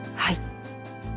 はい。